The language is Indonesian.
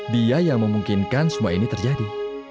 dia yang memungkinkan semua ini terjadi